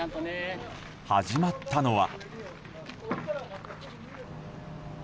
始まったのは。